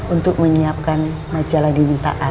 untuk menyiapkan majalah diminta